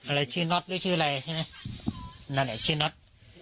อะไรชื่อน็อตหรือชื่ออะไรใช่ไหมนั่นแหละชื่อน็อต